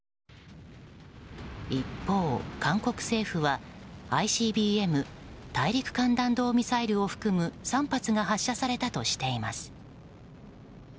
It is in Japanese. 一方、韓国政府はＩＣＢＭ・大陸間弾道ミサイルを含む３発が発射されたとしています。